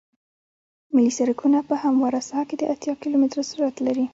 ملي سرکونه په همواره ساحه کې د اتیا کیلومتره سرعت لري